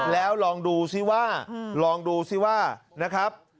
แล้วลองดูซิว่าลองดูซิว่านะครับ